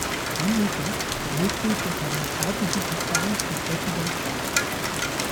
Henry Dodge war Mitglied der Demokratischen Partei von Präsident Jackson.